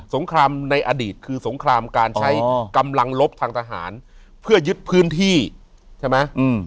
งครามในอดีตคือสงครามการใช้กำลังลบทางทหารเพื่อยึดพื้นที่ใช่ไหม